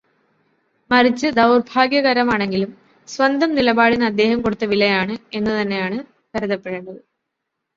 മറിച്ച് ദൗര്ഭാഗ്യകരമാണെങ്കിലും സ്വന്തം നിലപാടിന് അദ്ദേഹം കൊടുത്ത വിലയാണ് എന്നു തന്നെയാണ് കരുതപ്പെടേണ്ടത്.